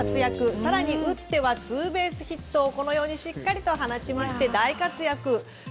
更に打ってはツーベースヒットをしっかりと放ちまして大活躍しました。